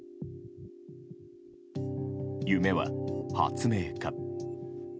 夢は発明家。